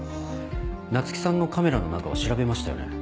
菜月さんのカメラの中は調べましたよね？